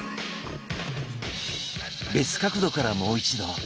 別角度からもう一度。